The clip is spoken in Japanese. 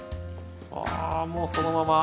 あもうそのまま。